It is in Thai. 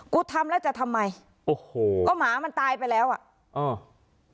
ทำแล้วจะทำไมโอ้โหก็หมามันตายไปแล้วอ่ะเออ